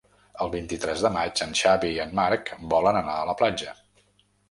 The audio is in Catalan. El vint-i-tres de maig en Xavi i en Marc volen anar a la platja.